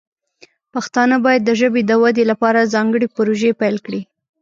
پښتانه باید د ژبې د ودې لپاره ځانګړې پروژې پیل کړي.